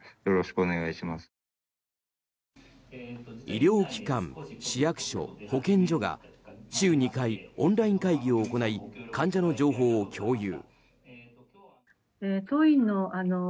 医療機関、市役所、保健所が週２回、オンライン会議を行い患者の情報を共有。